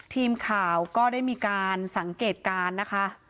ทีมข่าวก็ได้มีการสังเกตการณ์นะคะ